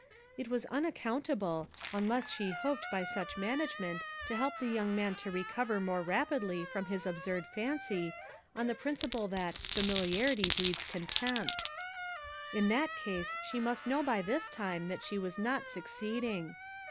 It was unaccountable, unless she hoped by such management to help the young man to recover more rapidly from his absurd fancy, on the principle that " familiarity breeds contempt" In that case she must know by this time that she was not succeeding.